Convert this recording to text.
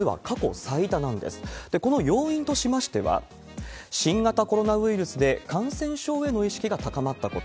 この要因としましては、新型コロナウイルスで感染症への意識が高まったこと。